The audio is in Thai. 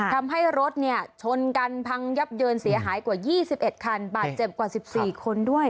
ทำให้รถชนกันพังยับเยินเสียหายกว่า๒๑คันบาดเจ็บกว่า๑๔คนด้วย